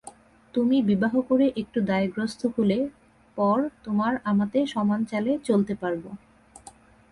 তুমি বিবাহ করে একটু দায়গ্রস্ত হলে পর তোমার আমাতে সমান চালে চলতে পারব।